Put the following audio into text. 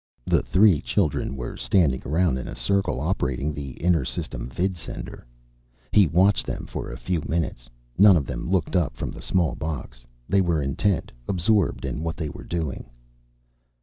The three children were standing around in a circle, operating the inter system vidsender. He watched them for a few minutes. None of them looked up from the small box. They were intent, absorbed in what they were doing.